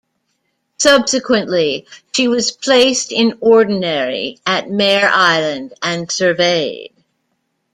Subsequently, she was placed in ordinary at Mare Island and surveyed.